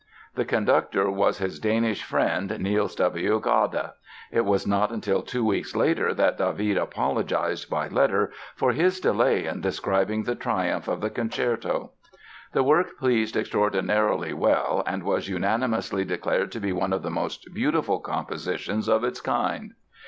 The conductor was his Danish friend, Niels W. Gade. It was not till two weeks later that David apologized by letter for his delay in describing the triumph of the concerto. "The work pleased extraordinarily well and was unanimously declared to be one of the most beautiful compositions of its kind".